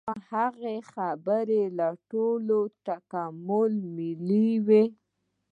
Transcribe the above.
د دوی په وینا د هغه خبرې له ټوکو ټکالو ملې وې